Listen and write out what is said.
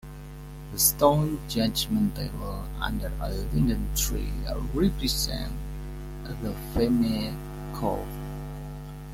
The stone judgement table under a linden tree represents the "Feme" court.